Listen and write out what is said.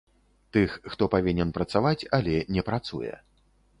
Тых, хто павінен працаваць, але не працуе.